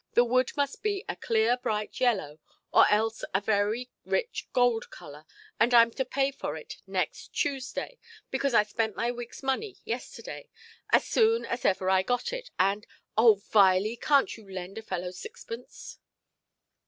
The wood must be a clear bright yellow, or else a very rich gold colour, and Iʼm to pay for it next Tuesday, because I spent my weekʼs money yesterday, as soon as ever I got it, and—oh, Viley! canʼt you lend a fellow sixpence"?